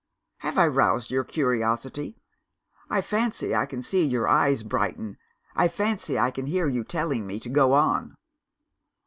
"Have I roused your curiosity? I fancy I can see your eyes brighten; I fancy I can hear you telling me to go on!